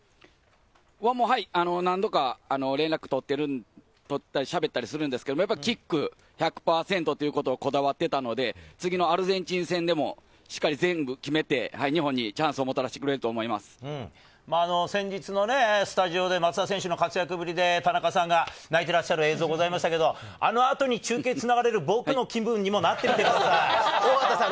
何度か連絡を取ったり、喋ったりするんですけれども、キック１００％ということにこだわっていたので、次のアルゼンチン戦でも、しっかり全部決めて、日本にチャンスをもたらしてくれると思いま先日のスタジオで松田選手の活躍で田中さんが泣いてらっしゃる映像、ございましたけれども、あの後に中継を繋がれる僕の気分にもなってみてください。